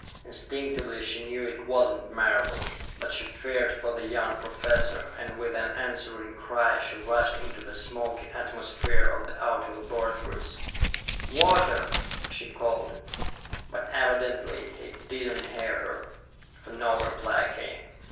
Instinctively she knew it was not Marable, but she feared for the young professor, and with an answering cry she rushed into the smoky atmosphere of the outer laboratories. "Walter!" she called. But evidently he did not hear her, for no reply came.